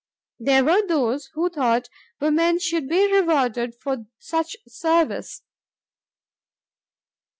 There were those who thought woman should be rewarded for such service.